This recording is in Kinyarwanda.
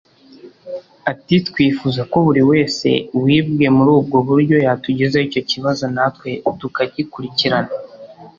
Ati “Twifuza ko buri wese wibwe muri ubwo buryo yatugezaho icyo kibazo na twe tukagikurikirana